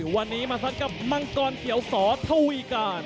วันนี้มาทัดกับมังกรเขียวสอทวีการ